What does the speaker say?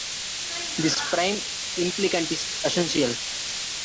This prime implicant is "essential".